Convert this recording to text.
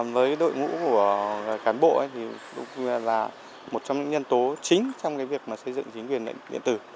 với đội ngũ của cán bộ thì cũng là một trong những nhân tố chính trong việc xây dựng chính quyền điện tử